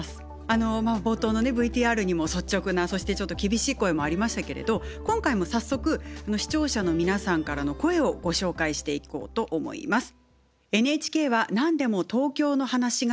あの冒頭のＶＴＲにも率直なそしてちょっと厳しい声もありましたけれど今回も早速視聴者の皆さんからの声をご紹介していこうと思います。